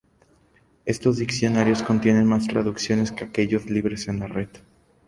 Estos diccionarios contienen más traducciones que aquellos libres en la red.